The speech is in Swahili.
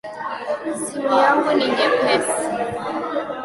Simu yangu ni nyepesi